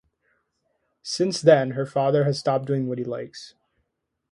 Since then her father has stopped doing what he likes.